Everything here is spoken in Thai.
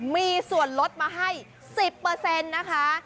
มีส่วนลดมาให้๑๐นะคะ